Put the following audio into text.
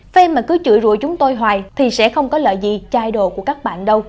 phim mà cứ chửi rửa chúng tôi hoài thì sẽ không có lợi gì chai độ của các bạn đâu